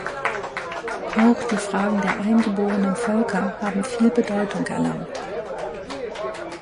Auch die Fragen der eingeborenen Völker haben viel Bedeutung erlangt.